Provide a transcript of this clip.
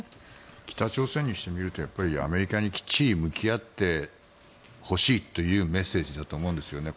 北朝鮮にしてみるとやっぱりアメリカにきっちり向き合ってほしいというメッセージだと思うんですね。